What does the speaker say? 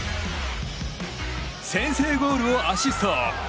先制ゴールをアシスト！